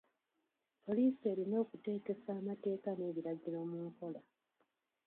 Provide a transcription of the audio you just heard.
Poliisi erina okuteekesa amateeka n'ebiragiro mu nkola.